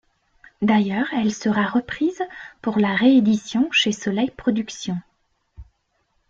D'ailleurs elle sera reprise pour la réédition chez Soleil Productions.